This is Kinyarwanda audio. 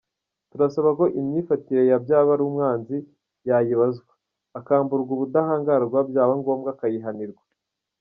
Turasaba ko imyifatire ya Byabarumwanzi yayibazwa, akamburwa ubudahangarwa byaba ngombwa akayihanirwa.